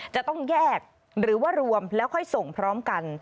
จะต้องแยกหรือว่ารวมแล้วค่อยส่งพร้อมกัน